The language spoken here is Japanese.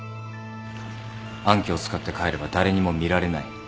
暗渠を使って帰れば誰にも見られない。